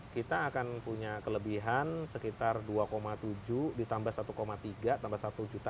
kita akan punya kelebihan sekitar dua tujuh ditambah satu tiga tambah satu juta